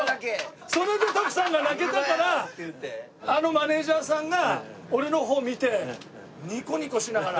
それで徳さんが泣けたからあのマネジャーさんが俺の方見てニコニコしながら。